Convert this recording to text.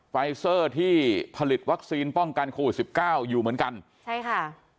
ไฟเซอร์ที่ผลิตวัคซีนป้องกันโควิดสิบเก้าอยู่เหมือนกันใช่ค่ะ